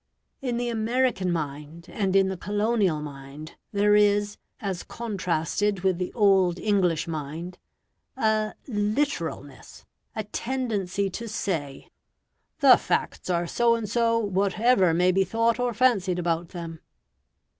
In the American mind and in the colonial mind there is, as contrasted with the old English mind, a LITERALNESS, a tendency to say, "The facts are so and so, whatever may be thought or fancied about them".